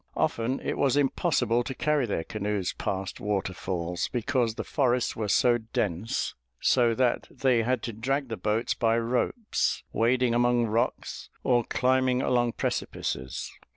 Often it was impossible to carry their canoes past waterfalls, because the forests were so dense, so that they had to drag the boats by ropes, wading among rocks or climbing along precipices.